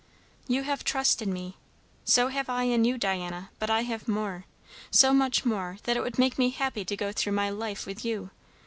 You have trust in me. So have I in you, Diana; but I have more. So much more, that it would make me happy to go through my life with you.